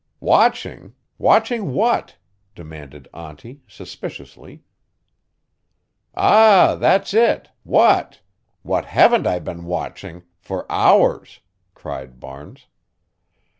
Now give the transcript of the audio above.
"Watching? Watching what?" demanded auntie, suspiciously. "Ah, that's it! What? What haven't I been watching for hours?" cried Barnes.